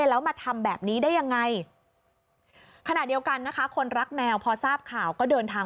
แล้วมาทำแบบนี้ได้ยังไงขณะเดียวกันนะคะคนรักแมวพอทราบข่าวก็เดินทาง